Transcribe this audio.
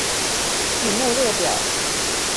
曲目列表